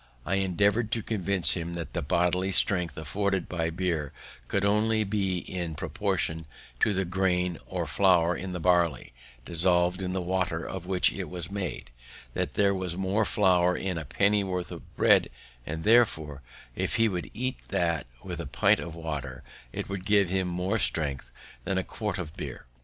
I endeavoured to convince him that the bodily strength afforded by beer could only be in proportion to the grain or flour of the barley dissolved in the water of which it was made; that there was more flour in a pennyworth of bread; and therefore, if he would eat that with a pint of water, it would give him more strength than a quart of beer.